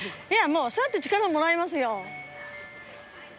もうそうやって力もらいますよ